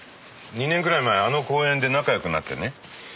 ２年ぐらい前あの公園で仲良くなってね。